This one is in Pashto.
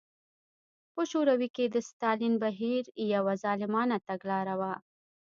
په شوروي کې د ستالین بهیر یوه ظالمانه تګلاره وه.